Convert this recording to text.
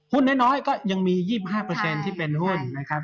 น้อยก็ยังมี๒๕ที่เป็นหุ้นนะครับ